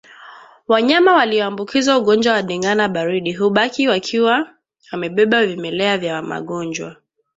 Wanyama walioambukizwa ugonjwa wa ndigana baridi hubaki wakiwa wamebeba vimelea vya magonjwa